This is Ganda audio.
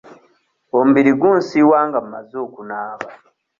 Omubiri gunsiiwa nga mmaze okunaaba.